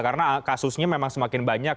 karena kasusnya memang semakin banyak